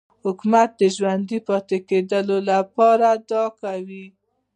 حکومت د ژوندي پاتې کېدو لپاره دا کوي.